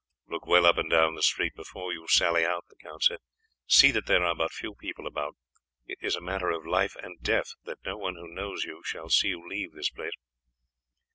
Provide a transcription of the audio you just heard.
"Look well up and down the street before you sally out," the count said; "see that there are but few people about. It is a matter of life and death that no one who knows you shall see you leave this house."